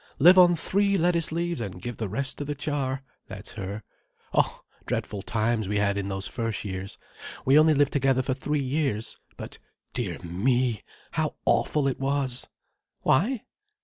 Live on three lettuce leaves, and give the rest to the char. That's her. Oh, dreadful times we had in those first years. We only lived together for three years. But dear me! how awful it was!" "Why?"